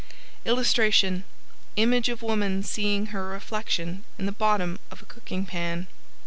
[Illustration: Image of woman seeing her reflection in the bottom of a cooking pan.